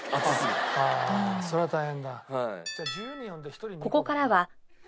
ああそれは大変だ。